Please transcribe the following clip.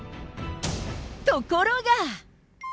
ところが。